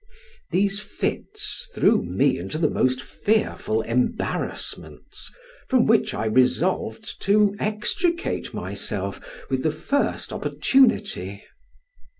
These fits threw me into the most fearful embarrassments, from which I resolved to extricate myself with the first opportunity.